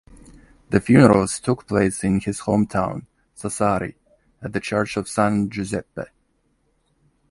The funerals took place in his hometown, Sassari, at the Church of San Giuseppe.